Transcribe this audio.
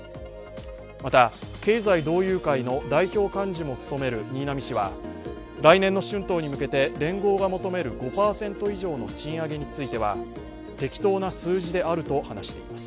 また経済同友会の代表幹事も務める新浪氏は来年の春闘に向けて連合が求める５％以上の賃上げについては適当な数字であると話しています。